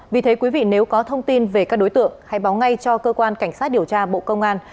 vì thế quý vị nếu có thông tin về các đối tượng hãy báo ngay cho cơ quan cảnh sát điều tra bộ công an